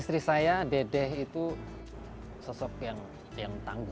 istri saya dedeh itu sosok yang tangguh